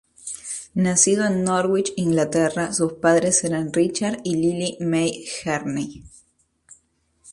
Nacido en Norwich, Inglaterra, sus padres eran Richard y Lily May Hearne.